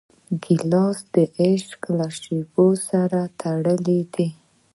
ګیلاس د عشق له شېبو سره تړلی دی.